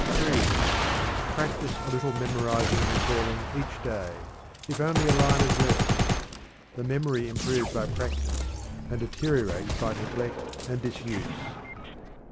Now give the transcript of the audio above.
(3) Practice a little memorizing and recalling each day, if only a line of verse. The memory improves by practice, and deteriorates by neglect and disuse.